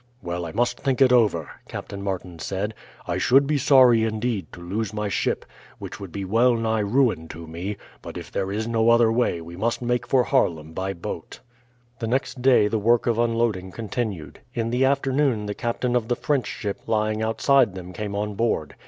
"Well, I must think it over," Captain Martin said. "I should be sorry indeed to lose my ship, which would be well nigh ruin to me, but if there is no other way we must make for Haarlem by boat." The next day the work of unloading continued. In the afternoon the captain of the French ship lying outside them came on board.